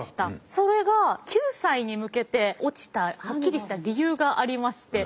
それが９歳に向けて落ちたはっきりした理由がありまして。